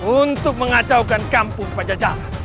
untuk mengacaukan kampung pajajara